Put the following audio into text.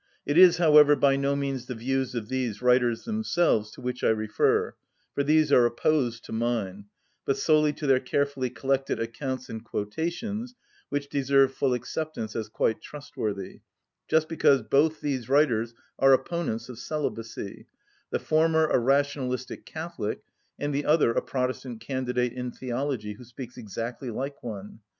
It is, however, by no means the views of these writers themselves to which I refer, for these are opposed to mine, but solely to their carefully collected accounts and quotations, which deserve full acceptance as quite trustworthy, just because both these writers are opponents of celibacy, the former a rationalistic Catholic, and the other a Protestant candidate in theology, who speaks exactly like one.